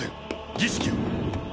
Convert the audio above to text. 儀式を。